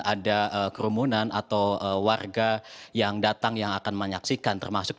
ada kerumunan atau warga yang datang yang akan menyaksikan termasuk